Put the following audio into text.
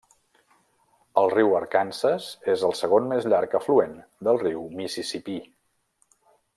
El riu Arkansas és el segon més llarg afluent del riu Mississipí.